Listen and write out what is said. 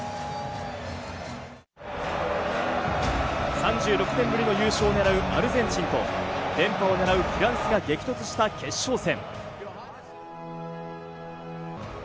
３６年ぶりの優勝をねらうアルゼンチンと連覇をねらうフランスが激突した決勝戦。